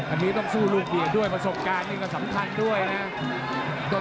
อันนี้ต้องสู้ลูกเดียด้วยประสบการณ์นี่ก็สำคัญด้วยนะ